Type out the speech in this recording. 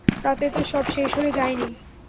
তাতে তো সব শেষ হয়ে যায়নি।